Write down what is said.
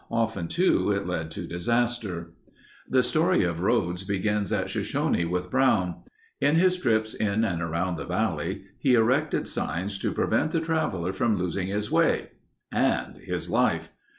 Often too, it led to disaster. The story of roads begins at Shoshone with Brown. In his trips in and around the valley, he erected signs to prevent the traveler from losing his way and his life.